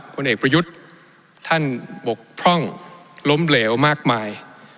ผลเอกประยุทธ์ท่านบกพร่องล้มเหลวมากมาย